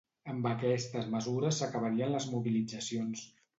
Amb aquestes mesures s'acabarien les mobilitzacions.